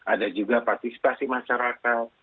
ada juga partisipasi masyarakat